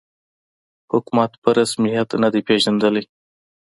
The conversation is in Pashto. حکومت په رسمیت نه دی پېژندلی